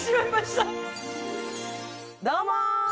どうも！